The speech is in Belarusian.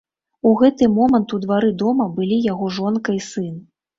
У гэты момант у двары дома былі яго жонка і сын.